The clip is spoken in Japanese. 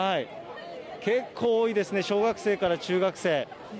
結構多いですね、小学生から中学生。